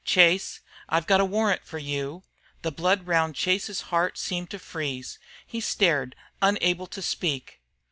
"Chase, I've got a warrant for you." The blood round Chase's heart seemed to freeze. He stared, unable to speak.